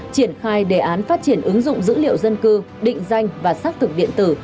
triển khai đề án phát triển ứng dụng dữ liệu dân cư định danh và xác thực điện tử